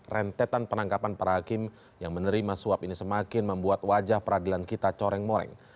rentetan penangkapan para hakim yang menerima suap ini semakin membuat wajah peradilan kita coreng moreng